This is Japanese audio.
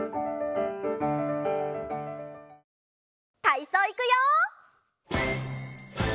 たいそういくよ！